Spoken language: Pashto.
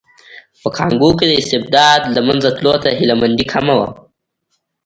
په کانګو کې د استبداد له منځه تلو ته هیله مندي کمه وه.